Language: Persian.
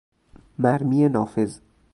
مرمی نافذ